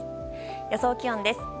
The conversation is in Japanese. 予想気温です。